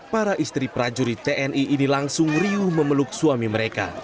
para istri prajurit tni ini langsung riuh memeluk suami mereka